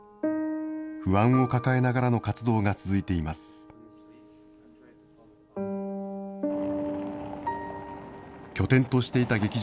不安を抱えながらの活動が続いています。